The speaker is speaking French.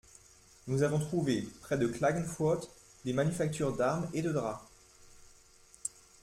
Nous avons trouvé, près de Clagenfurth, des manufactures d'armes et de drap.